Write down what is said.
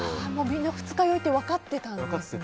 みんな二日酔いって分かってたんですね。